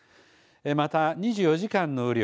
また、２４時間の雨量